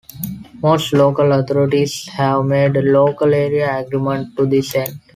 Most local authorities have made a local area agreement to this end.